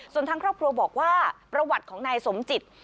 ส่วนทางครอบครัวบอกว่าประวัติของนายสมจิต